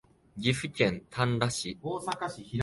岐阜県瑞浪市